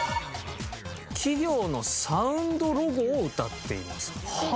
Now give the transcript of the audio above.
「企業のサウンドロゴを歌っています」はあ！